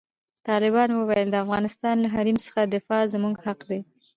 طالبانو وویل، د افغانستان له حریم څخه دفاع زموږ حق دی.